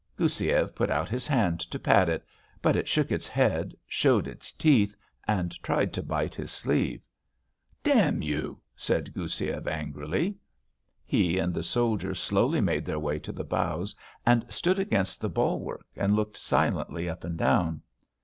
Goussiev put out his hand to pat it, but it shook its head, showed its teeth and tried to bite his sleeve. "Damn you," said Goussiev angrily. He and the soldier slowly made their way to the bows and stood against the bulwark and looked silently up and down.